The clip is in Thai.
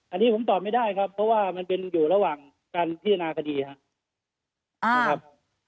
อันนี้ผมตอบไม่ได้ครับเพราะว่ามันเป็นอยู่ระหว่างการพิจารณาคดีครับนะครับ